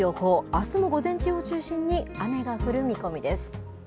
あすの午前中を中心に、雨が降る見込みです。